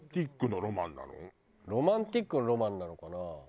「ロマンティック」のロマンなのかな？